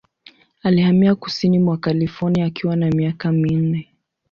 Alihamia kusini mwa California akiwa na miaka minne.